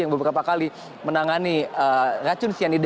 yang beberapa kali menangani racun cyanida